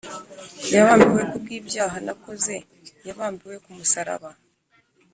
Yabambiwe kubw' ibyaha nakoze, Yabambiwe ku musaraba.